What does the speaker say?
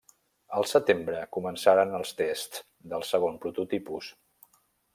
Al setembre començaren els tests del segon prototipus.